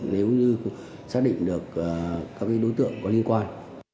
nếu như xác định được các đối tượng có liên quan